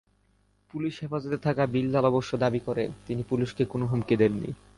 পুলিশি হেফাজতে থাকা বিল্লাল অবশ্য দাবি করেন, তিনি পুলিশকে কোনো হুমকি দেননি।